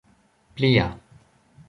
plia